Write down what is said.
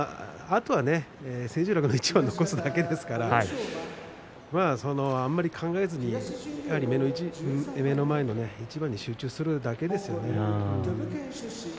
あとは千秋楽の一番を残すだけですからあまり考えずに目の前の一番に集中するだけですよね。